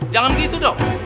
jangan gitu dong